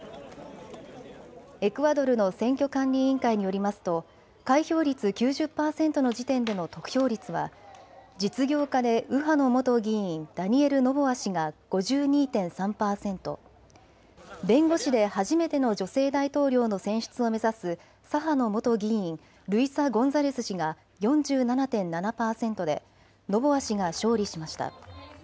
エクアドルの選挙管理委員会によりますと開票率９０％の時点での得票率は実業家で右派の元議員、ダニエル・ノボア氏が５２．３％、弁護士で初めての女性大統領の選出を目指す左派の元議員、ルイサ・ゴンザレス氏が４７．７％でノボア氏が勝利しました。